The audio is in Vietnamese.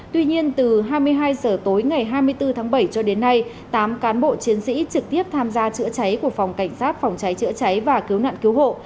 tuy nhiên từ hai mươi hai h tối ngày hai mươi bốn tháng bảy cho đến nay tám cán bộ chiến sĩ trực tiếp tham gia chữa cháy của phòng cảnh sát phòng cháy chữa cháy và cứu nạn cứu hộ